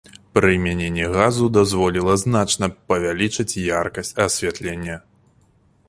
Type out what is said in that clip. Прымяненне газу дазволіла значна павялічыць яркасць асвятлення.